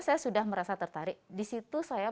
saya sudah merasa tertarik disitu saya